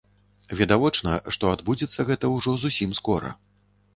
Відавочна, што адбудзецца гэта ўжо зусім скора.